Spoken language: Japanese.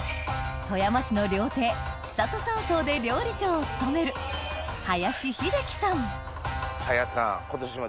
富山市の料亭千里山荘で料理長を務める林さん。